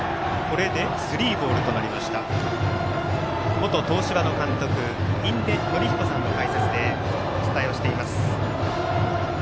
元東芝の監督印出順彦さんの解説でお伝えをしています。